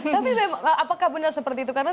tapi apakah benar seperti itu karena